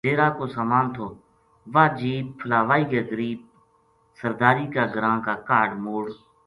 ڈیرا کو سامان تھو واہ جیپ پھلاوئی کے قریب سرداری کا گراں کا کاہڈ موڑ